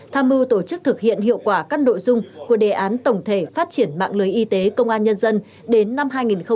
tham mưu tổ chức thực hiện hiệu quả các nội dung của đề án tổng thể phát triển mạng lưới y tế công an nhân dân đến năm hai nghìn ba mươi